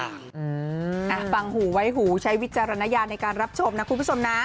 อ่ะฟังหูไว้หูใช้วิจารณญาณในการรับชมนะคุณผู้ชมนะ